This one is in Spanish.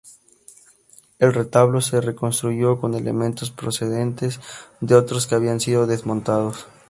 El retablo se reconstruyó con elementos procedentes de otros que habían sido desmontados.